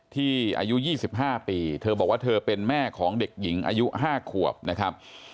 อายุ๒๕ปีเธอบอกว่าเธอเป็นแม่ของเด็กหญิงอายุ๕ขวบนะครับ